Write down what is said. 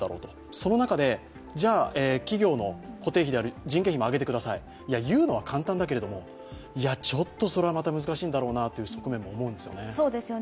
その中で、企業の固定費である人件費も上げてください、いや、言うのは簡単だけれども、ちょっとそれは難しいんだろうと思う側面もあるんですね。